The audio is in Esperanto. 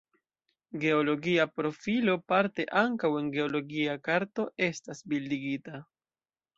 Geologia profilo parte ankaŭ en geologia karto estas bildigita.